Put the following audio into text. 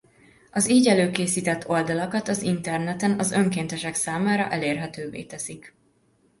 Az így előkészített oldalakat az interneten az önkéntesek számára elérhetővé teszik.